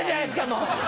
もう！